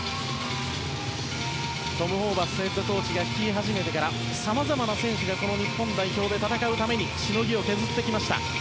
トム・ホーバスヘッドコーチが率い始めてからさまざまな選手が日本代表で戦うためにしのぎを削ってきました。